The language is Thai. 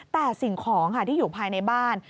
แต่สิ่งของค่ะที่อยู่ภายในบ้าน